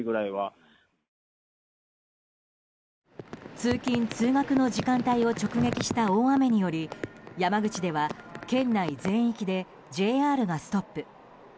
通勤・通学の時間帯を直撃した大雨により山口では県内全域でＪＲがストップ。